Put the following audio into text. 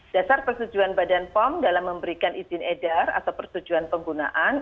dasar persetujuan badan pom dalam memberikan izin edar atau persetujuan penggunaan